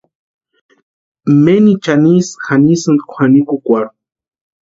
Menichani ísï janisïnti kwʼanikukwarhu.